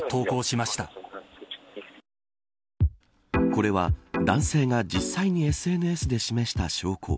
これは男性が実際にＳＮＳで示した証拠。